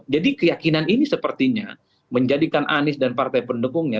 jadi keyakinan ini sepertinya menjadikan anies dan partai pendukungnya